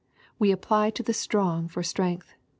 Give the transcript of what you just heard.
We ap ply to the strong for strength.